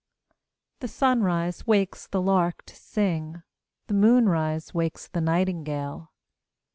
The sunrise wakes the lark to sing, The moonrise wakes the nightingale.